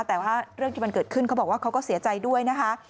แต่ว่าเรื่องที่มันเกิดขึ้นเขาบอกว่าเขาก็เสียใจด้วยนะคะ